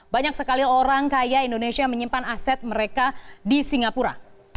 banyak sekali orang kaya indonesia menyimpan aset mereka di singapura